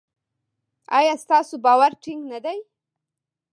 ایا ستاسو باور ټینګ نه دی؟